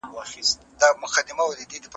بنسټیزه څېړنه څنګه له ساینسي څېړني سره مرسته کوي؟